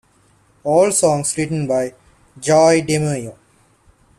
All songs written by Joey DeMaio.